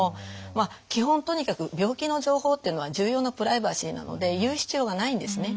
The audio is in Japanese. まあ基本とにかく病気の情報っていうのは重要なプライバシーなので言う必要がないんですね。